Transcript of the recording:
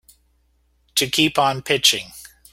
To keep on pitching.